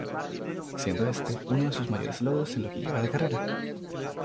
Siendo este uno de sus mayores logros en lo que lleva de carrera.